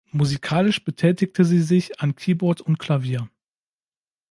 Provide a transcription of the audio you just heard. Musikalisch betätigte sie sich an Keyboard und Klavier.